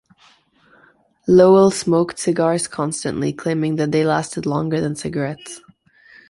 Lowell smoked cigars constantly, claiming that they lasted longer than cigarettes.